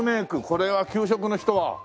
これは給食の人は。